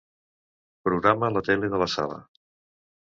Programa la tele de la sala.